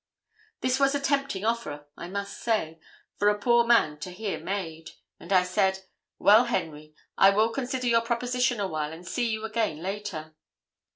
"This was a tempting offer, I must say, for a poor man to hear made, and I said, 'Well, Henry, I will consider your proposition awhile and see you again later.